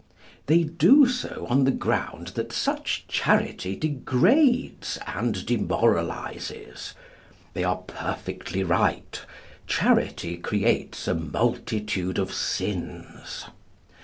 They do so on the ground that such charity degrades and demoralises. They are perfectly right. Charity creates a multitude of sins.